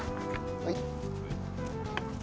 はい。